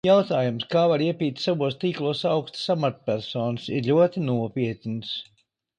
Jautājums, ka var iepīt savos tīklos augstas amatpersonas, ir ļoti nopietns.